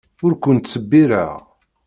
Ur kent-ttṣebbireɣ.